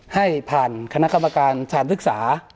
ให้ผ่านคณะกรรมการชาญศึกษา